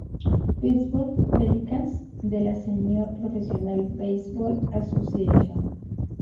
Petersburg Pelicans" de la "Senior Professional Baseball Association".